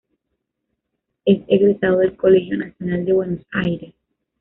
Es egresado del Colegio Nacional de Buenos Aires.